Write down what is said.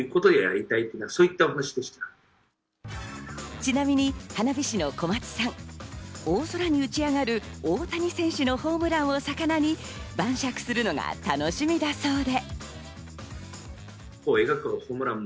ちなみに花火師の小松さん、大空に打ち上がる大谷選手のホームランを肴に晩酌するのが楽しみだそうで。